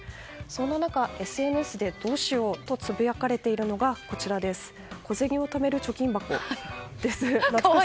そんな中、ＳＮＳでどうしようとつぶやかれているのが小銭をためる貯金箱です。